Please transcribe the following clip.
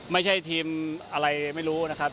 ไม่ใช่ทีมอะไรไม่รู้นะครับ